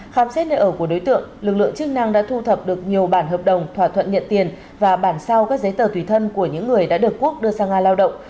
khám xét nơi ở của đối tượng lực lượng chức năng đã thu thập được nhiều bản hợp đồng thỏa thuận nhận tiền và bản sao các giấy tờ tùy thân của những người đã được quốc đưa sang nga lao động